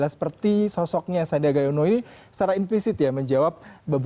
setelah implicit menjawab